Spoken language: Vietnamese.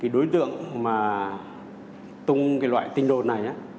đối tượng mà tung loại tin đồn này